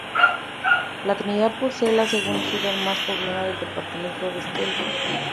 La Trinidad posee la segunda ciudad más poblada del Departamento de Estelí.